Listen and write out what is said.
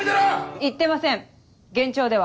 言ってません幻聴では？